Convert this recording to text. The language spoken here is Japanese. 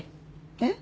えっ？